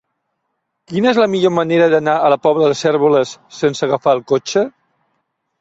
Quina és la millor manera d'anar a la Pobla de Cérvoles sense agafar el cotxe?